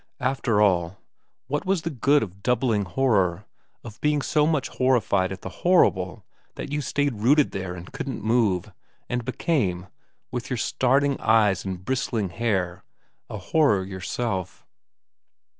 After all, what was the good of doubling horror, of being so much horrified at the horrible that you stayed rooted there and couldn't move, and became, with your starting eyes and bristling hair, a horror yourself